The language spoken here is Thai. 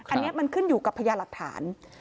อันนี้มันขึ้นอยู่กับพญาหลักฐาน